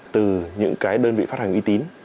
từ những cái đơn vị phát hành uy tín